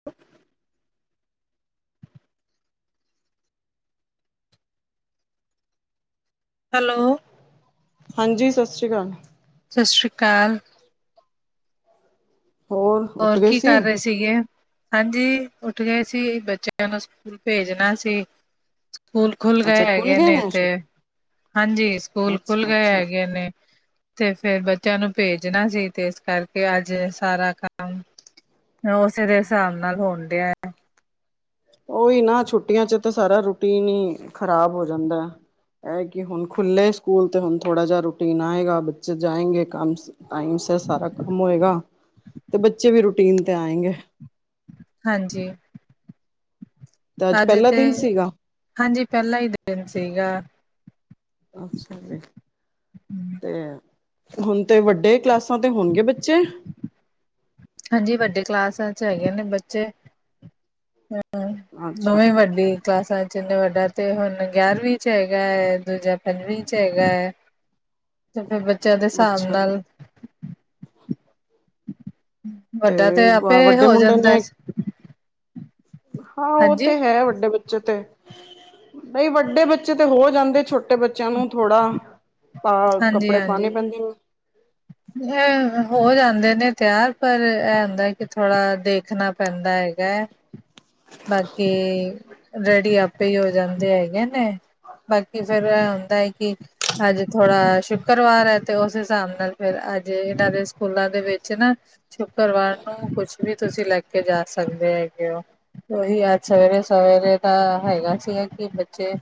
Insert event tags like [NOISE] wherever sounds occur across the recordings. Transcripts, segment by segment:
[INAUDIBLE] Hello ਹਾਂਜੀ ਸ ਸ਼੍ਰੀ ਕਾਲ। ਸ ਸ਼੍ਰੀ ਕਾਲ। ਹੋਰ ਉੱਠ ਔਰ ਗਏ ਕੀ ਕਰ ਰੇ ਸੀ ਤੀਗੇ ਹਾਂਜੀ ਉੱਠ ਗੇ ਸੀ, ਬੱਚਿਆਂ ਨੂੰ ਸਕੂਲ ਭੇਜਣਾ ਸੀ। ਸਕੂਲ ਖੁੱਲ ਗਏ ਹੈਗੇ ਨੇ 'ਤੇ ਹਾਂਜੀ ਸਕੂਲ ਖੁੱਲ ਅੱਛਾ ਗੇ ਅੱਛਾ ਹੈਗੇ ਨੇ 'ਤੇ ਫੇਰ ਬੱਚਿਆਂ ਨੂੰ ਭੇਜਣਾ ਸੀ 'ਤੇ ਇਸ ਕਰਕੇ ਅੱਜ ਸਾਰਾ ਕੰ ਮ ਉਸੇ ਦੇ ਹਿਸਾਬ ਨਾਲ ਹੋਣ ਡੇਆ। ਉਈ ਨਾ ਛੁੱਟੀਆਂ 'ਚ ਤਾਂ ਸਾਰਾ ਰੂਟੀਨ ਈ ਖ਼ਰਾਬ ਹੋ ਜਾਂਦੈ। ਐ ਕਿ ਹੁਣ ਖੁੱਲੇ ਸਕੂਲ 'ਤੇ ਹੁਣ ਥੋੜਾ ਜਾ ਰੂਟੀਨ ਆਏਗਾ ਬੱਚੇ ਜਾਏਗੇ ਕੰਮ ਟਾਈਮ ਸਿਰ ਸਾਰਾ ਕੰਮ ਹੋਏਗਾ 'ਤੇ ਬੱਚੇ ਵੀ ਰੂਟੀਨ 'ਤੇ ਆਏਗੇ। ਹਾਂਜੀ। ਅੱਜ ਪਹਿਲਾ 'ਤੇ ਦਿਨ ਸੀਗਾ ਹਾਂਜੀ ਪਹਿਲਾਂ ਈ ਦਿਨ ਸੀਗਾ। ਅੱਛਾ ਜੀ। 'ਤੇ ਹੁਣ 'ਤੇ ਵੱਡੇ ਕਲਾਸਾਂ ਤੇ ਹੋਣ ਗੇ ਬੱਚੇ। ਹਾਂਜੀ ਵੱਡੀ ਕਲਾਸਾਂ 'ਚ ਹੈਗੇ ਨੇ ਬੱਚੇ, ਹੂੰ ਅੱਛਾ ਦੋਵੇਂ ਵੱਡੀ ਕਲਾਸਾਂ 'ਚ ਇਨੇ ਵੱਡਾ 'ਤੇ ਹੁਣ ਗਿਆਰਵੀਂ 'ਚ ਹੈਗਾ ਐ ਦੂਜਾ ਪੰਜਵੀਂ 'ਚ ਹੈਗਾ [INAUDIBLE] ਜਾ ਫੇਰ ਬੱਚਿਆਂ ਦੇ ਹਿਸਾਬ ਅੱਛਾ ਜੀ, ਨਾਲ ਵੱਡਾ ਤੇ ਆਪੇ ਵੱਡੇ ਹੋ ਮੁੰਡੇ ਜਾਂਦਾ ਨੇ ਹਾਂ, ਉਹ ਹਾਂਜੀ ਤੇ ਹੈ ਵੱਡੇ ਬੱਚੇ ਤੇ ਬਈ ਵੱਡੇ ਬੱਚੇ ਤੇ ਹੋ ਜਾਂਦੇ, ਛੋਟੇ ਬੱਚਿਆਂ ਨੂੰ ਥੋੜਾ ਹਾਂ ਕੱਪੜੇ ਪਾਣੇ ਪੈਂਦੇ ਏ ਹੋ ਜਾਂਦੇ ਨੇ ਤਿਆਰ ਪਰ ਇਹ ਹੁੰਦਾ ਕਿ ਥੋੜ੍ਹਾ ਦੇਖਣਾ ਪੈਂਦਾ ਹੈਗਾ ਐ [UNINTELLIGIBLE] ਬਾਕੀ ਰੈਡੀ, ਆਪੇ ਇ ਔ ਜਾਂਦੇ ਹੈਗੇ ਨੇ ਬਾਕੀ ਫੇਰ ਇਹ ਹੁੰਦਾ ਐ, ਕਿ ਅੱਜ ਥੋੜਾ ਸ਼ੁੱਕਰਵਾਰ ਏ ਤੇ ਉਸ ਹਿਸਾਬ ਨਾਲ ਫਿਰ ਅੱਜੇ ਇਹਨਾਂ ਦੇ ਸਕੂਲਾਂ ਦੇ ਵਿੱਚ ਨਾ ਸ਼ੁੱਕਰਵਾਰ ਨੂੰ ਕੁਛ, ਵੀ ਤੁਸੀਂ ਲੈ ਕੇ ਜਾ ਸਕਦੇ ਹੈਗੇ ਔ ਉਹੀ ਅੱਜ ਸਵੇਰੇ-ਸਵੇਰੇ, ਤਾਂ ਹੈਗਾ ਸੀਗਾ ਕਿ ਬੱਚੇ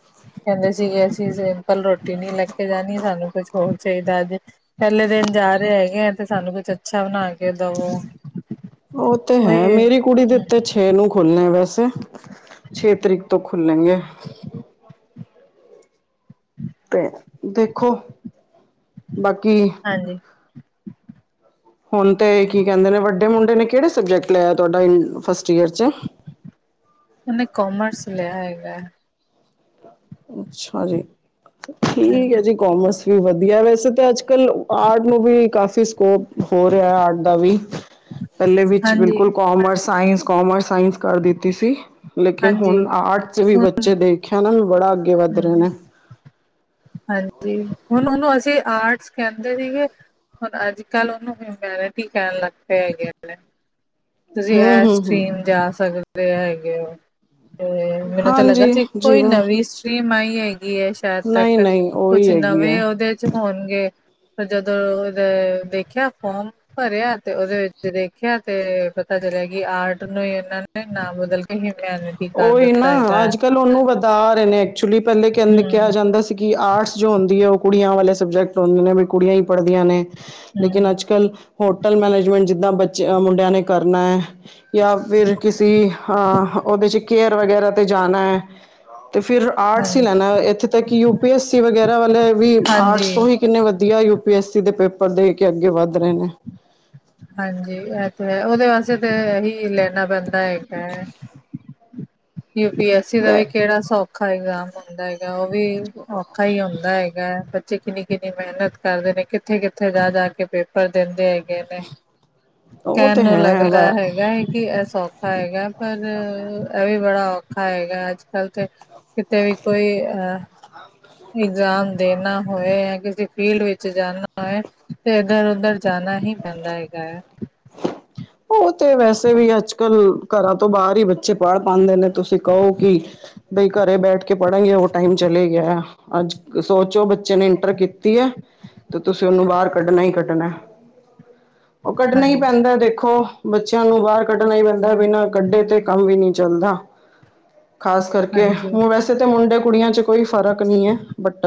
ਕਹਿੰਦੇ ਸੀਗੇ ਅਸੀਂ ਸਿੰਪਲ ਰੋਟੀ ਨੀ ਲੈ ਕੇ ਜਾਨੀ ਸਾਨੂੰ ਕੁਛ ਹੋਰ ਚਾਹੀਦਾ ਐ ਪਹਿਲੇ ਦਿਨ ਜਾ ਰਹੇ ਹੈਗੇ, ਆ ਤੇ ਸਾਨੂੰ ਕੁਛ ਅੱਛਾ ਬਣਾ ਕੇ ਦੋ ਉਹ ਤੇ ਹੈ ਮੇਰੀ ਕੁੜੀ ਦੇ ਉਤੇ ਛੇ ਨੂੰ ਖੁੱਲਣੇ ਵੈਸੇ, ਛੇ ਤਰੀਕ ਤੋਂ ਖੁੱਲੇਂਗੇ ਤੇ ਦੇਖੋ ਬਾਕੀ ਹਾਂਜੀ ਹੁਨ ਤੇ ਕੀ ਕਹਿੰਦੇ ਨੇ ਵੱਡੇ ਮੁੰਡੇ ਨੇ ਕਿਹੜੇ, ਸਬਜੈਕਟ ਲਿਆ ਤੁਹਾਡਾ ਫਸਟ ਈਅਰ ਚ ਉਹਨੇ ਕੋਮਰਸ ਲਿਆ ਹੈਗਾ ਅੱਛਾ, ਜੀ ਠੀਕ ਏ ਹਾਂਜੀ ਜੀ ਕੋਮਰਸ ਵਦੀਆ ਏ ਵੈਸੇ ਤਾਂ ਅੱਜ -ਕੱਲ, ਆਰਟ ਨੂੰ ਵੀ ਕਾਫ਼ੀ ਸਕੋਪ ਹੋ ਰਿਹਾ ਆਰਟ ਦਾ ਵੀ ਪਹਿੱਲੇ ਵਿੱਚ ਹਾਂਜੀ ਬਿਲਕੁਲ ਕੋਮਰਸ ਸਾਇੰਸ, ਕੋਮਰਸ ਸਾਇੰਸ ਕਰ ਦਿੱਤੀ ਸੀ ਲੇਕਿਨ ਹਾਂਜੀ ਹੁਨ ਆਰਟ ਚ ਵੀ ਹੁਣ ਬੱਚੇ ਦੇਖਿਆ ਨਾ ਬੜਾ ਅੱਗੇ ਵੱਧ ਰਹੇ ਹਮ ਨੇ ਹਾਂਜੀ, ਹੁਣ ਉਹਨੂੰ ਅਸੀਂ ਆਰਟਸ ਕਹਿੰਦੇ ਸੀਗੇ ਹਰ ਅੱਜ ਕੱਲ੍ਹ ਉਹਨੂੰ ਹਿਊਮੈਨਿਟੀ ਕਹਿਣ ਲੱਗ ਪਏ ਹੈਗੇ ਨੇ ਤੁਸੀਂ ਹੂੰ ਇਹ ਹੂੰ ਹੂੰ ਸਟ੍ਰੀਰਮ ਜਾ ਸਕਦੇ ਹੈਗੇ ਔ ਤੇ ਮੈਨੂੰ ਤੇ ਲੱਗਾ ਹਾਂਜੀ ਸੀ ਕੋਈ, ਜੀਵਨ ਨਵੀਂ ਸਟ੍ਰਰੀਮ ਆਈ ਹੈਗੀ ਹੈ ਸ਼ਾਇਦ ਨਹੀਂ ਤਕ ਨਹੀਂ ਉਹੀ ਕੁਛ ਹੈਗੀ ਹੈ ਨਵੇਂ ਉਹਦੇ ਚ ਹੋਨਗੇ ਫੇਰ ਜਦੋਂ ਉਹਦਾ ਦੇਖਿਆ, ਫੋਮ ਭਰਿਆ ਤੇ ਉਹਦੇ ਵਿੱਚ ਦੇਖਿਆ ਤੇ ਪਤਾ ਚਲਿਆ ਕਿ, ਆਰਟ ਨੂੰ ਇਹਨਾਂ ਨੇ ਨਾ ਬਦਲ ਕੇ ਹੀਮਿਆਨ ਉਹੀ ਨਾ ਅੱਜ ਕੱਲ ਉਹਨੂੰ ਵਧਾ ਰਹੇ ਨੇ, ਐਕਚੁਲੀ ਪਹਿਲੇ ਕਹਿੰਦੇ ਕਿਆ ਹੂੰ ਜਾਂਦਾ ਸੀ ਕਿ ਆਰਟਸ ਜੋ ਹੁੰਦੀ ਏ ਉਹ ਕੁੜੀਆਂ ਵਾਲੇ ਸਬਜੈਕਟ ਹੁੰਦੇ ਨੇ ਵੀ ਕੁੜੀਆਂ ਈ ਪੜ੍ਹਦੀਆਂ ਨੇ ਲੇਕਿਨ ਹੂੰ ਅੱਜ-ਕੱਲ ਹੋਟਲ ਮੈਨੇਜਮੈਂਟ ਜਿੱਦਾਂ ਜੇਆ ਮੁੰਡਿਆਂ ਨੇ ਕਰਨਾ ਏ ਜਾਂ ਫਿਰ ਕਿਸੀ ਆ ਉਹਦੇ ਚ ਕੇਅਰ ਵਗੈਰਾ ਤੇ ਜਾਣਾ ਏ ਤੇ ਫਿਰ ਆਰਟਸ ਹੀ ਹਾਂਜੀ ਲੈਣਾ, ਇੱਥੇ ਤੱਕ ਯੂ ਪੀ ਐਸਸੀ ਵਗੈਰਾ ਵਾਲੇ ਵੀ ਹਾਂਜੀ ਆਰਟਸ ਤੋਂ ਹੀ ਕਿੰਨੇ ਵਧੀਆ ਯੂ ਪੀ ਐੱਸ ਸੀ, ਦੇ ਪੇਪਰ ਦੇ ਕੇ ਅੱਗੇ ਵੱਧ ਰਹੇ ਨੇ ਹਾਂਜੀ, ਇਹ ਤੇ ਏ ਉਹਦੇ ਵਾਸਤੇ ਤਾਂ ਇਹੀ ਲੈਣਾ ਪੈਂਦਾ ਏ ਯੂ ਪੀ ਐਸ ਸੀ ਦਾ ਵੈ ਵੀ ਕਿਹੜਾ ਸੌਖਾ, ਐਗਜ਼ਾਮ ਹੁੰਦਾ ਹੈਗਾ ਉਹ ਵੀ ਔਖਾ ਈ ਹੁੰਦਾ ਹੈਗਾ ਗਾ ਬੱਚੇ ਕਿੰਨੀ-ਕਿੰਨੀ ਮਿਹਨਤ ਕਰਦੇ ਨੇ ਕਿੱਥੇ-ਕਿੱਥੇ ਜਾ-ਜਾ ਕੇ ਪੇਪਰ ਦਿੰਦੇ ਹੈਗੇ ਨੇ ਉਹ ਕਹਿਣ ਤਾਂ ਨੂੰ ਲੱਗਦਾ ਹੈ ਹੈਗਾ ਏ ਕਿ ਇਹ ਸੌਖਾ ਹੈਗਾ ਪਰ ਇਹ ਵੀ ਬੜਾ ਔਖਾ ਹੈਗਾ ਅੱਜ-ਕੱਲ ਤੇ ਕਿਤੇ ਵੀ ਕੋਈ ਅ ਇਗਜ਼ਾਮ ਦੇਣਾ ਹੋਏ ਜਾਂ ਕਿਸੀ ਫੀਲਡ ਵਿੱਚ ਜਾਨਾ ਹੈਏ, ਤੇ ਇੱਧਰ ਉਧਰ ਜਾਨਾ ਹੀ ਪੈਂਦਾ ਹੈਗਾ ਐ ਉਹ ਤੇ ਵੈਸੇ ਵੀ ਅੱਜ ਕੱਲ ਘਰਾਂ ਤੋਂ ਬਾਹਰ ਹੀ, ਬੱਚੇ ਪੜ ਪਾਉਂਦੇ ਨੇ। ਤੁਸੀਂ ਕਹੋ ਕਿ ਬਈ ਘਰੇ ਬੈਠ ਕੇ ਪੜਾਂਗੇ, ਉਹ ਟਾਈਮ ਚਲੇ ਗਿਆ। ਅੱਜ ਸੋਚੋ ਬੱਚੇ ਨੇ ਇੰਟਰ ਕੀਤੀ ਹੈ, ਤੇ ਤੁਸੀਂ ਉਹਨੂੰ ਬਾਹਰ ਕੱਢਣਾ ਹੀ ਕੱਢਣਾ। ਉਹ ਕੱਢਣਾ ਹੀ ਹਾਂਜੀ ਪੈਂਦਾ ਦੇਖੋ ਬੱਚਿਆਂ ਨੂੰ ਬਾਹਰ ਕੱਢਣਾ ਹੀ ਪੈਂਦਾ, ਬਿਨਾਂ ਕੱਢੇ ਤੇ ਕੰਮ ਵੀ ਨਹੀਂ ਚੱਲਦਾ। ਖਾਸ ਕਰਕੇ ਹਾਂਜੀ ਹ ਵੈਸੇ‌। ਤੇ ਤਾਂ ਮੁੰਡੇ ਕੁੜੀਆਂ ਚ ਕੋਈ ਫ਼ਰਕ ਨੀ ਐ ਬਟ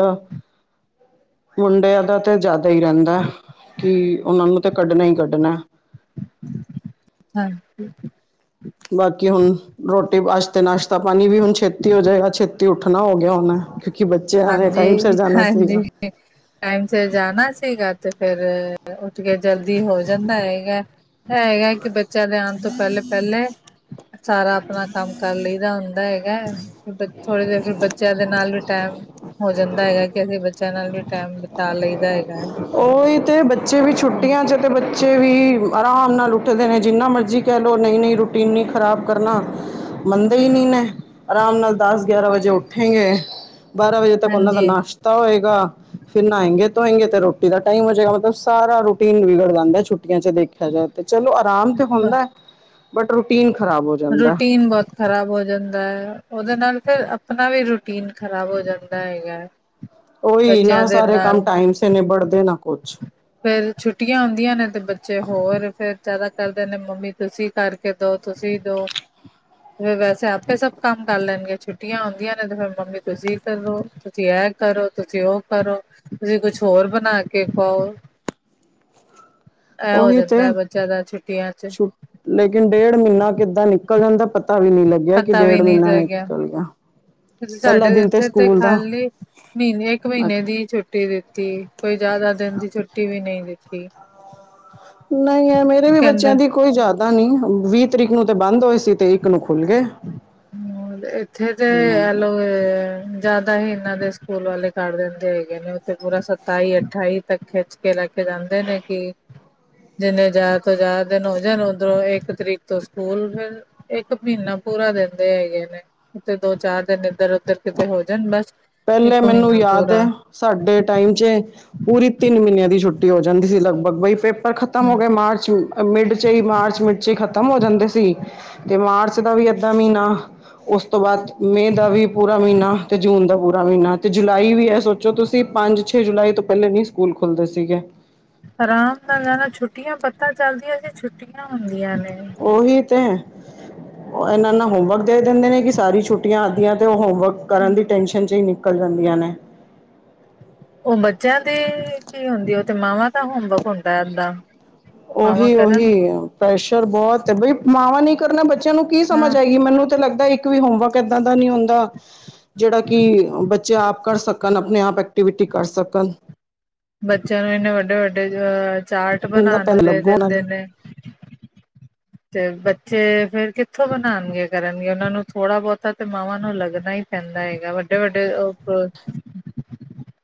ਮੁੰਡਿਆਂ ਦਾ ਤੇ ਜਾਦਾ ਈ ਰੈਂਦਾ ਕੀ ਉਨਾਂ ਨੂੰ ਤੇ ਕੱਢਣਾ ਈ ਕੱਢਣਾ। ਹਾਂਜੀ। ਬਾਕੀ ਹੁਣ ਰੋਟੀ ਪਾਸ਼ਤੇ ਨਾਸ਼ਤਾ ਪਾਣੀ ਵੀ ਹੁਣ ਛੇਤੀ ਹੋ ਜਾਏਗਾ ਛੇਤੀ ਉੱਠਣਾ ਹੋ ਗਿਆ ਹੁਣ। ਕਿਉਂਕੀ ਬੱਚਿਆਂ ਨੇ ਟਾਈਮ ਸਿਰ ਹਾਂਜੀ ਜਾਣਾ ਸੀਗਾ। ਹਾਂਜੀ ਟਾਈਮ ਸਿਰ ਜਾਣਾ ਸੀਗਾ ਤੇ ਫੇਰ ਉੱਠ ਕੇ ਜਲਦੀ ਹੋ ਜਾਂਦਾ ਏ। ਹੈਗਾ ਕੀ ਬੱਚਿਆਂ ਦੇ ਆਣ ਤੋਂ ਪੈਲੇ-ਪੈਲੇ। ਸਾਰਾ ਆਪਣਾ ਕੰਮ ਕਰ ਲਈਦਾ ਹੁੰਦਾ ਹੈਗਾ। ਥੋੜ੍ਹੀ ਦੇਰ ਫਿਰ ਬੱਚਿਆਂ ਦੇ ਨਾਲ ਵੀ ਟੈਮ ਹੋ ਜਾਂਦਾ ਹੈਗਾ ਕੀ ਅਸੀਂ ਬੱਚਿਆਂ ਨਾਲ ਵੀ ਟਾਈਮ ਬਿਤਾ ਲਈਦਾ ਏ। ਓ ਈ ਤੇ ਬੱਚੇ ਵੀ ਛੁੱਟੀਆਂ ਚ ਬੱਚੇ ਵੀ ਆਰਾਮ ਨਾਲ ਉੱਠਦੇ ਨੇ ਜਿੰਨਾ ਮਰਜੀ ਕੈ ਲੋੋ ਨਈ-ਨਈ ਰ ਟੀਨ ਈ ਖ਼ਰਾਬ ਕਰਨਾ ਮੰਨਦੇ ਈ ਨੀ ਨੇ। ਆਰਾਮ ਨਾਲ ਦਸ ਗਿਆਰਾਂ ਵਜੇ ਉੱਠੇਗੇ ਬਾਰਾਂ ਵਜੇ ਤੱਕ ਉਨਾਂ ਦਾ ਹਾਂਜੀ। ਨਾਸ਼ ਤਾ ਹੋਏਗਾ ਫ਼ਿਰ ਨਏਗੇ ਧੋਏਗੇ ਤੇ ਰੋਟੀ ਦਾ ਟਾਈਮ ਹੋ ਜਾਏਗਾ ਮਤਲਬ ਸਾਰਾ ਰ ਟੀਨ ਵਿਗੜ ਜਾਂਂਦਾ ਛੁੱਟੀਆਂ ਚ ਦੇਖਿਆ ਜਾਏ ਤੇ ਚਲੋ ਆਰਾਮ ਤੇ ਹੁੰਦੈ ਬਟ ਰੂਟੀਨ ਖਰਾਬ ਹੋ ਜਾ ਰੂਟੀਨ ਬੋਤ ਖ਼ਰਾਬ ਹੋ ਜਾਂਦਾ ਓਦੇ ਨਾਲ ਫਿਰ ਆਪਣਾ ਵੀ ਰੂਟੀਨ ਖ਼ਰਾਬ ਹੋ ਜਾਂਦਾ ਹੈਗਾ। ਓ ਈ ਨਾ ਬੱਚਿਆਂ ਦੇ ਸਾਰੇ ਕੰਮ ਨਾਲ ਟਾਈਮ ਸਿ ਨਿਬੜਦੇ ਨਾ ਕੁੱਛ। ਫੇਰ ਛੁੱਟੀਆਂ ਹੁੰਦੀਆਂ ਨੇ ਤੇ ਬੱਚੇ ਹੋਰ ਫੇਰ ਜਾਦਾ ਕਰਦੇ ਨੇ ਮੰਮੀ ਤੁਸੀਂ ਕਰਕੇ ਦੋ ਤੁਸੀਂ ਦੋ। ਤੇ ਫ ਵੈਸੇ ਆਪੇ ਸਭ ਕੰਮ ਕਰ ਲੈਣਗ ਛੁੱਟੀਆਂ ਆਉਂਦੀਆਂ ਨੇ ਤੇ ਫੇਰ ਮੰਮੀ ਤੁਸੀਂ ਕਰੋ। ਤੁਸੀਂ ਐ ਕਰੋ ਤੁਸੀਂ ਓ ਕਰੋ ਤੁਸੀਂ ਕੁੱਛ ਹੋਰ ਬਣਾ ਕੇ ਖਵਾਓ। ਐ ਹੋ ਉਹੀ ਤੇ ਜਾਂਦਾ ਬੱਚਿਆਂ ਦਾ ਛੁੱਟੀਆਂ ਚ। ਛੁ ਲੇਕਿਨ ਡੇਢ ਮਹੀਨਾ ਕਿੱਦਾਂ ਨਿਕਲ ਜਾਂਦਾ ਪਤਾ ਵੀ ਨੀ ਲੱਗ ਗਿਆ ਕਿ ਪਤਾ ਵੀ ਡੇਢ ਨਹੀਂ ਮਹੀਨਾ ਲੱਗਿਆ ਨਿਕਲ ਗਿਆ ਪੈਲਾ ਦਿਨ ਤੇ ਸਕੂਲ ਦਾ ਮੀਨੇ ਇੱਕ ਮੀਨੇ ਦੀ ਛੁੱਟੀ ਦਿੱਤੀ ਕੋਈ ਜਾਦਾ ਦਿਨ ਦੀ ਛੁੱਟੀ ਵੀ ਨਈ ਦਿੱਤੀ। ਨਈ ਐ ਮੇਰੇ ਵੀ ਬੱਚਿਆਂ ਕਹਿੰਦੇ ਦੀ ਕੋਈ ਜਾਦਾ ਨੀ ਵੀਹ ਤਰੀਕ ਨੂੰ ਤੇ ਬੰਦ ਹੋਏ ਸੀ ਤੇ ਇੱਕ ਨੂੰ ਖੁੱਲ ਗਏ। ਹੂੰ ਏਥੇ ਤੇ ਨਹੀਂ ਐ। ਜਾਦਾ ਵੀ ਇਨਾਂ ਦੇ ਸਕੂਲ ਵਾਲੇ ਕਰ ਦਿੰਦੇ ਹੈਗੇ ਨੇ ਓ ਤੇ ਪੂਰਾ ਸਤਾਈ ਅਠਾਈ ਤੱਕ ਖਿੱਚ ਕੇ ਲੈ ਕੇ ਜਾਂਦੇ ਨੇ ਕੀ ਜਿੰਨੇ ਜਾਦਾ ਤੋਂ ਜਾਦਾ ਦਿਨ ਹੋ ਜਾਣ ਉਧਰੋਂ ਇੱਕ ਤਰੀਕ ਤੋਂ ਸਕੂਲ ਫੇਰ। ਇੱਕ ਮੀਨਾ ਪੂਰਾ ਦਿਨ। ਹੁੰਦੇ ਹੈਗੇ ਨੇੇ ਤੇ ਦੋ ਚਾਰ ਦਿਨ ਇੱਧਰ ਉਧਰ ਕਿਤੇ ਹੋ ਜਾਣ ਬਸ- ਇੱਕ ਮੈਨੂੰ ਮਹੀਨਾ ਯਾਦ ਪੂਰਾ ਐ ਸਾਡੇ ਟਾਈਮ ਚ ਪੂਰੀ ਤਿੰਨ ਮੀਨਿਆਂ ਦੀ ਛੁੱਟੀ ਹੋ ਜਾਂਦੀ ਸੀ ਲਗਭਗ ਬਈ ਪੇਪਰ ਖ਼ਤਮ ਹੋ ਹਮ ਗਏ ਮਾਰਚ ਮਿਡ ਚ ਈ ਮਾਰਚ ਵਿੱਚ ਈ ਖਤਮ ਹੋ ਜਾਂਦੇ ਸੀ ਤੇ ਮਾਰਚ ਦਾ ਵੀ ਏਦਾਂ ਮੀਨਾ ਉਸ ਤੋਂ ਬਾਦ ਮਏ ਦਾ ਵੀ ਪੂਰਾ ਮੀਨਾ ਤੇ ਜੂਨ ਦਾ ਪੂਰਾ ਦਾ ਮੀਨਾ ਤੇ ਜੁਲਾਈ ਵੀ ਐ ਸੋਚੋ ਤੁਸੀਂ ਪੰਜ ਛੇ ਜੁਲਾਈ ਤੋਂ ਪੈਲੇ ਨੀ ਸਕੂਲ ਖੁੱਲ੍ਹਦੇ ਸੀਗੇ। ਆਰਾਮ ਨਾਲ ਰਹਿਣਾ ਛੁੱਟੀਆਂ ਪਤਾ ਚੱਲਦੀਆਂ ਜੇ ਸੀ ਛੁੱਟੀਆਂ ਹੁੰਦੀਆਂ ਨੇ। ਉਹ ਵੀ ਤੇ ਐਨਾ-ਐਨਾ ਹੋਮਵਰਕ ਦੇ ਦਿੰਦੇ ਨੇ ਕੀ ਸਾਰੀ ਛੁੱਟੀਆਂ ਆਦੀਆ ਤੇ ਓ ਹੋਮਵਰਕ ਕਰਨ ਦੀ ਟੈਨਸ਼ਨ ਚ ਈ ਨਿਕਲ ਜਾਂਦੀਆਂ ਨੇ। ਓ ਬੱਚਿਆਂ ਤੇ ਕੀ ਹੁੰਦੀ ਓ ਤੇ ਮਾਵਾਂ ਦਾ ਹੋਮਵਰਕ ਹੁੰਦਾ ਅੱਧਾ ਓਹੀ-ਓਹੀ ਪ੍ਰੈਸ਼ਰ ਬੋਤ ਬਈ ਮਾਵਾਂ ਨੇ ਈ ਕਰਨਾ ਬੱਚਿਆਂ ਨੂੰ ਕੀ ਹਾਂ ਸਮਝ ਆਏਗੀ ਮੈਨੂੰ ਤਾਂ ਲੱਗਦਾ ਇੱਕ ਵੀ ਹੋਮਵਰਕ ਏਦਾਂ ਦਾ ਨੀ ਹੁੰਦਾ ਜੇੜਾ ਕਿ ਬੱਚੇ ਆਪ ਕਰ ਸਕਣ ਆਪਣੇ ਆਪ ਐਕਟੀਵਿਟੀ ਕਰ ਸਕਣ। ਬੱਚਿਆਂ ਨੂੰ ਇੰਨੇ ਵੱਡੇ-ਵੱਡੇ ਅ ਚਾਰਟ ਬਨਾਣ ਨੂੰ ਪੈਨ ਦੇ ਲੱਗੋ ਉਹਨਾਂ ਦਿੰਦੇ ਨੇ। ਤੇ ਬੱਚੇ ਫੇਰ ਕਿੱਥੋਂ ਬਣਾਣਗੇ ਕਰਨਗੇ ਉਹਨਾਂ ਨੂੰ ਥੋੜਾ ਬਹੁਤਾ ਤੇ ਮਾਵਾਂ ਨੂੰ ਲੱਗਣਾ ਹੀ ਕਹਿੰਦਾ ਹੈਏਗਾ ਵੱਡੇ-ਵੱਡੇ ਉਹ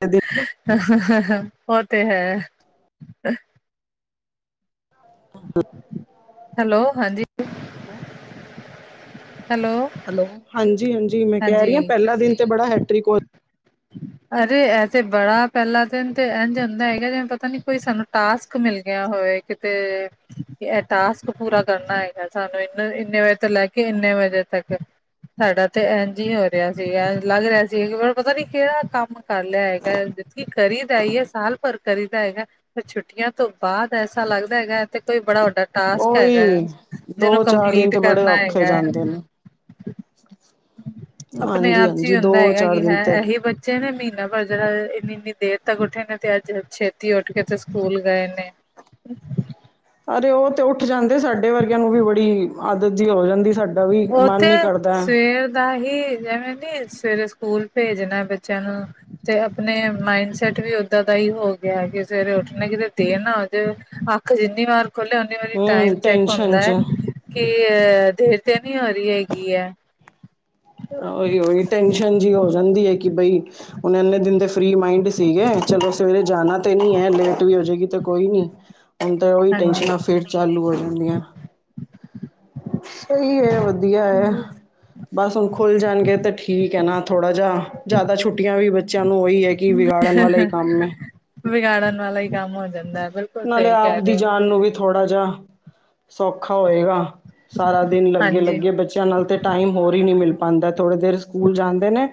ਕਦੇ ਉਹ ਤੇ ਹੈ [INAUDIBLE] ਹੈਲੋ ਹਾਂਜੀ ਹੈਲੋ ਹੈਲੋ ਹਾਂਜੀ-ਹਾਂਜੀ ਮੈਂ ਕਹਿ ਰਹੀ ਹਾਂ ਹਾਂਜੀ ਪਹਿਲਾ ਦਿਨ ਤੇ ਬੜਾ ਹੈਟ੍ਰਿਕ ਅਰੇ ਇਹ ਤੇ ਬੜਾ ਪਹਿਲਾ ਦਿਨ ਤੇ ਇਝ ਹੁੰਦਾ ਹੈਗਾ ਜਿਵੇਂ ਪਤਾ ਨੀ ਕੋਈ ਸਾਨੂੰ ਟਾਸਕ ਮਿਲ ਗਿਆ ਹੋਵੇ ਕਿ ਤੇ ਇਹ ਟਾਸਕ ਪੂਰਾ ਕਰਨਾ ਹੈਗਾ ਸਾਨੂੰ ਇਨ ਇੰਨੇ ਵਜੇ ਤੋਂ ਲੈ ਕੇ ਇੰਨੇ ਵਜੇ ਤੱਕ ਸਾਡਾ ਤੇ ਇੰਝ ਹੀ ਹੋ ਰਿਹਾ ਸੀਗਾ ਲੱਗ ਰਿਹਾ ਸੀਗਾ ਕਿ ਪਤਾ ਨੀ ਕਿਹੜਾ ਕੰਮ ਕਰ ਲਿਆ ਹੈਗਾ ਜਦ ਕੀ ਕਰੀ ਦਾ ਹੀ ਹੈ ਸਾਲ ਭਰ ਕਰੀ ਦਾ ਹੈਗਾ ਤੇ ਛੁੱਟੀਆਂ ਤੋਂ ਬਾਅਦ ਐਸਾ ਲੱਗਦਾ ਹੈਗਾ ਤੇ ਕੋਈ ਬੜਾ ਵੱਡਾ ਟਾਸਕ ਹੈਗਾ ਉਹੀ ਜਿਹਨੂੰ ਦੋ ਚਾਰ ਦਿਨ ਕੰਪਲੀਟ ਤੇ ਬੜੇ ਕਰਨਾ ਔਖੇ ਹੈਗਾ ਜਾਂਦੇ ਨੇ ਆਪਣੇ ਹਾਂਜੀ ਆਪ ਚ ਹੀ ਹਾਂਜੀ ਹੁੰਦਾ ਦੋ ਹੈਗਾ ਚਾਰ ਕਿ ਦਿਨ ਹੈ ਤੇ ਇਹੀ ਬ ਮਹੀਨਾ ਭਰ ਜਿਹੜਾ ਇੰਨੀ-ਇੰਨੀ ਦੇਰ ਤੱਕ ਉੱਠੇ ਨੇ ਤੇ ਅੱਜ ਛੇਤੀ ਉੱਠ ਕੇ ਤੇ ਸਕੂਲ ਗਏ ਨੇ [INAUDIBLE] ਅਰੇ ਉਹ ਤੇ ਉੱਠ ਜਾਂਦੇ ਸਾਡੇ ਵਰਗਿਆਂ ਨੂੰ ਵੀ ਬੜੀ ਆਦਤ ਜਿਹੀ ਹੋ ਜਾਂਦੀ ਸਾ ਉਹ ਤੇ ਸਵੇਰ ਦਾ ਹੀ ਐਵੇਂ ਨੀ ਸਵੇਰੇ ਸਕੂਲ ਭੇਜਣਾ ਬੱਚਿਆਂ ਨੂੰ ਤੇ ਆਪਣੇ ਮਾਇਡ ਸੈਟ ਵੀ ਓਦਾਂ ਦਾ ਹੀ ਹੋ ਗਿਆ ਕਿ ਸਵੇਰੇ ਉੱਠਣਾ ਕਿਤੇ ਦੇਰ ਨਾ ਹੋਜੇ ਕੀ ਜਿੰਨੀ ਵਾਰ ਖੋਲੇ ਉਨੀ ਵਾਰੀ ਟਾਈਮ ਹਮ ਚੈੱਕ ਟੈਨਸ਼ਨ ਹੁੰਦਐ ਚ ਕਿ ਅ ਦੇਰ ਤੇ ਨੀ ਹੋ ਰਹੀ ਹੈਗੀ ਆ ਉਹੀ-ਉਹੀ ਟੈਨਸ਼ਨ ਜਿਹੀ ਹੋ ਜਾਂਦੀ ਹੈ ਕਿ ਬਈ ਹੁਨ ਇੰਨੇ ਦਿਨ ਦੇ ਫਰੀ ਮਾਈੰਡ ਸੀਗੇ ਚਲੋ ਸਵੇਰੇ ਜਾਣਾ ਤੇ ਨਹੀ ਹੈ ਲੇਟ ਵੀ ਹੋ ਜਾਏਗੀ ਤੇ ਕੋਈ ਨੀ ਹੁਣ ਤਾਂ ਉਹੀ ਹਾਂਜੀ ਟੈਂਸ਼ਨਾਂ ਫਿਰ ਚਾਲੂ ਹੋ ਜਾਂਦੀਆਂ ਸਹੀ ਹੈ ਵਧੀਆ ਐ ਬਸ ਹੁਣ ਖੁੱਲ ਜਾਣਗੇ ਤੇ ਠੀਕ ਹੈ ਨਾ ਥੋੜਾ ਜਿਹਾ ਜ਼ਿਆਦਾ ਛੁੱਟੀਆਂ ਵੀ ਬੱਚਿਆਂ ਨੂੰ ਉਹੀ ਹੈ ਕੀ ਵਿਗਾੜਨ ਵਾਲਾ ਈ ਕੰਮ ਹੈ ਵਿਗੜਨ ਵਾਲਾ ਹੀ ਕੰਮ ਹੋ ਜਾਂਦਾ ਹੈ ਬਿਲਕੁਲ ਨਾਲੇ ਸਹੀ ਕਹਿ ਆਪ ਦੀ ਰਹੇ ਹੋ ਜਾਨ ਨੂੰ ਵੀ ਥੋੜਾ ਜਿਆ ਸੌਖਾ ਹੋਏਗਾ ਸਾਰਾ ਦਿਨ ਹਾਂਜੀ ਲੱਗੇ-ਲੱਗੇ ਬੱਚੇ ਬੱਚਿਆਂ ਨਾਲ ਤੇ ਟਾਈਮ ਹੋਰ ਹੀ ਨਹੀ ਮਿਲ ਪਾਉਂਦਾ ਥੋੜੇ ਦੇਰ ਸਕੂਲ ਜਾਂਦੇ ਨੇ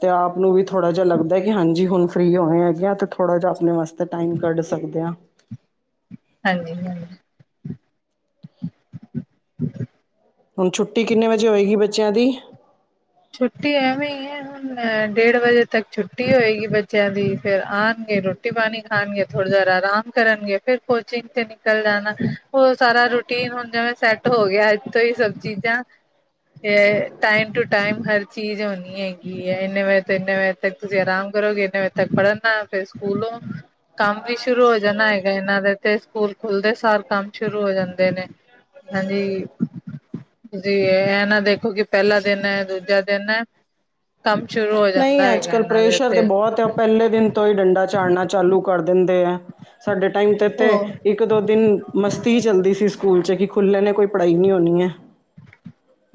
ਤੇ ਆਪ ਨੂੰ ਵੀ ਥੋੜਾ ਜਿਹਾ ਲੱਗਦਾ ਹੈ ਕਿ ਹਾਂਜੀ ਹੁਣ ਫ੍ਰਰੀ ਹੋਣੇ ਹੈਗੇ ਆ ਤੇ ਥੋੜਾ ਜਿਹਾ ਆਪਣੇ ਵਾਸਤੇ ਟਾਈਮ ਕੱਢ ਸਕਦੇ ਆ ਹਾਂਜੀ ਹਨੀ ਹੁਣ ਛੁੱਟੀ ਕਿੰਨੇ ਵਜੇ ਹੋਵੇਗੀ ਬੱਚਿਆਂ ਦੀ ਛੁੱਟੀ ਐਵੇਂ ਹੀ ਹੈ ਹੁਣ ਡੇਢ ਵਜੇ ਤੱਕ ਛੁੱਟੀ ਹੋਏਗੀ ਬੱਚਿਆਂ ਦੀ ਫਿਰ ਆਉਣਗੇ ਰੋ- ਰੋਟੀ ਪਾਨੀ ਖਾਣਗੇ ਥੋੜੀ ਦੇਰ ਆਰਾਮ ਕਰਨਗੇ ਫੇਰ ਕੋਚਿੰਗ ਤੇ ਨਿਕਲ ਜਾਣਾ ਉਹ ਸਾਰਾ ਰੂਟੀਨ ਹੁਣ ਸੈੱਟ ਹੋ ਗਿਆ ਇੱਥੋਂ ਹੀ ਸਭ ਚੀਜ਼ਾਂ ਏ ਟਾਈਮ ਟੂ ਟਾਈਮ ਹਰ ਚੀਜ਼ ਹੋਣੀ ਹੈਗੀ ਹੈ ਇੰਨੇ ਵਜੇ ਤੋਂ ਇੰਨੇ ਵਜੇ ਤੱਕ ਤੁਸੀਂ ਆਰਾਮ ਕਰੋਗੇ ਇੰਨੇ ਵਜੇ ਤੱਕ ਪੜ੍ਹਨਨਾ ਫੇਰ ਸਕੂਲੋਂ ਕੰਮ ਵੀ ਸ਼ੁਰੂ ਹੋ ਜਾਣਾ ਹੈਗਾ ਇਹਨਾਂ ਦੇ ਤੇ ਸਕੂਲ ਖੁੱਲਦੇ ਸਾਰ ਕੰਮ ਸ਼ੁਰੂ ਹੋ ਜਾਂਦੇ ਨੇ ਹਾਂਜੀ ਤੁਸੀਂ ਇਹ ਨਾ ਦੇਖੋ ਕਿ ਪਹਿਲਾ ਦਿਨ ਐ ਦੂਜਾ ਦਿਨ ਕੰਮ ਸ਼ੁਰੂ ਹੋ ਜਾਂਦਾ ਨਹੀਂ ਅੱਜ ਹੈਗਾ ਕੱਲ੍ਹ ਇਹਨਾਂ ਦੇ ਪ੍ਰੈਸ਼ਰ ਤਾਂ ਇੱਥੇ ਬਹੁਤ ਆ ਪਹਿਲੇ ਦਿਨ ਤੋਂ ਹੀ ਡੰਡਾ ਚਾੜਨਾ ਚਾਲੂ ਕਰ ਦਿੰਦੇ ਆ। ਸਾਡੇ ਟਾਈਮ ਤੇ-ਤੇ ਇੱਕ ਪ ਇੱਕ ਦੋ ਦਿਨ ਮਸਤੀ ਹੀ ਚੱਲਦੀ ਸੀ ਸਕੂਲ ਚ ਕਿ ਖੁੱਲ੍ਹੇ ਨੇ ਕੋਈ ਪੜ੍ਹਾਈ ਨਈ ਹੋਨੀ ਐਂ।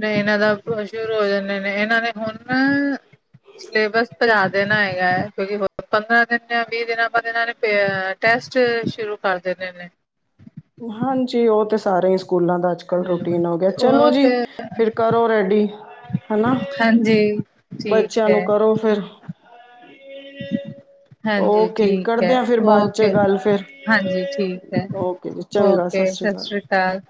ਏਹਨਾ ਦਾ ਸ਼ੁਰੂ ਹੋ ਜਾਂਦੇ ਨੇ ਇਹਨਾ ਨੇ ਹੁਣ ਸਿਲੇਬਸ ਭਜਾ ਦੇਣਾ ਹੈਗਾ, ਕਿਉਂਕਿ ਪੰਦਰਾਂ ਦਿਨ ਜਾਂ ਵੀਹ ਦਿਨਾਂ ਬਾਦ ਇਹਨਾਂ ਨੇ ਪੇ ਟੈਸਟ ਸ਼ੁਰੂ ਕਰ ਦੇਣੇ ਨੇ। ਹਾਂਜੀ ਉਹ ਤੇ ਸਾਰੇ ਹੀ ਸਕੂਲਾਂ ਦਾ ਅੱਜ ਅੱਜ ਕਲ ਰੂਟੀਨ ਹੋ ਗਿਆ, ਚਲੋ ਉਹ ਜੀ ਤੇ ਫਿਰ ਕਰੋ ਰੈਡੀ ਹਨਾ। ਹਾਂਜੀ ਠੀਕ ਬੱਚਿਆਂ ਨੂੰ ਹੈ ਕਰੋ ਫੇਰ। ਹਾਂਜੀ ਠੀਕ ਹੈ, ਓਕੇ ਗੱਲ ਫਿਰ ਹਾਂਜੀ ਠੀਕ ਹੈ। ਓਕੇ ਸਤਿ ਸ਼੍ਰੀ ਅਕਾਲ।